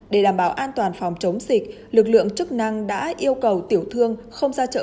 để đảm bảo an toàn phòng chống dịch lực lượng chức năng đã yêu cầu tiểu thương không ra chợ